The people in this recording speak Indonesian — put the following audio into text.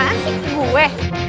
apaan sih gue